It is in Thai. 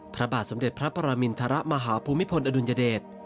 พระบาทสมเด็จพระปรมินทรมาฮภูมิพลอดุลยเดช